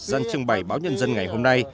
dân trưng bày báo nhân dân ngày hôm nay